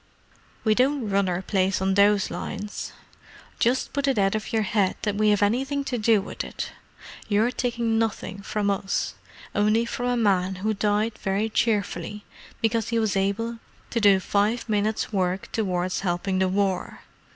"We don't run our place on those lines. Just put it out of your head that we have anything to do with it. You're taking nothing from us—only from a man who died very cheerfully because he was able to do five minutes' work towards helping the War.